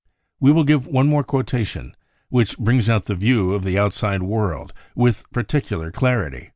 We will give one more quotation which brings out the view of the out side world with particular clarity.